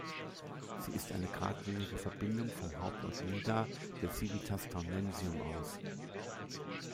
Sie ist eine gradlinige Verbindung vom Hauptort Nida der Civitas Taunensium aus.